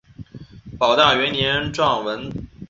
保大元年撰文。